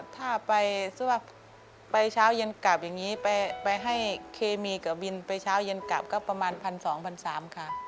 ถ้าไปซื้อว่าไปเช้าเย็นกลับอย่างนี้ไปให้เคมีกับวินไปเช้าเย็นกลับก็ประมาณ๑๒๓๐๐ค่ะ